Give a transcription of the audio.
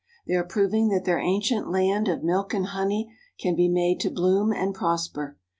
They are proving that their ancient "land of milk and honey " can be made to bloom and prosper.